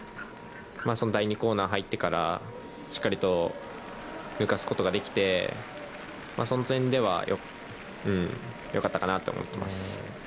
第２コーナーに入ってからしっかりと抜かすことができてその点では良かったかなと思ってます。